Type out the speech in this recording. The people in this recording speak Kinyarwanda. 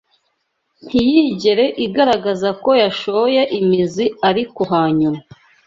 ntiyigere igaragaza ko yashoye imizi ariko hanyuma